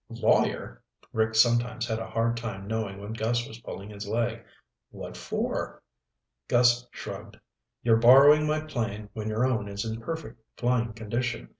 "Lawyer?" Rick sometimes had a hard time knowing when Gus was pulling his leg. "What for?" Gus shrugged. "You're borrowing my plane when your own is in perfect flying condition.